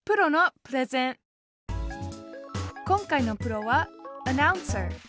今回のプロはアナウンサー。